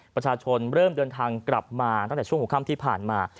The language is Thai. ประชาชนเริ่มเดินทางกลับมาตั้งแต่ช่วงหัวค่ำที่ผ่านมา